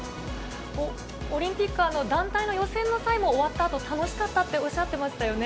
オリンピックの団体の予選の際も、終わったあと、楽しかったっておっしゃってましたよね。